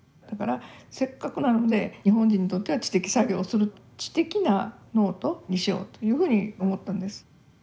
だからせっかくなので日本人にとっては知的作業をする知的なノートにしようというふうに思ったんです。